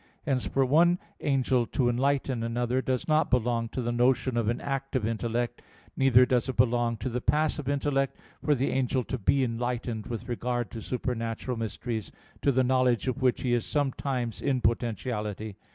Hence for one angel to enlighten another does not belong to the notion of an active intellect: neither does it belong to the passive intellect for the angel to be enlightened with regard to supernatural mysteries, to the knowledge of which he is sometimes in potentiality.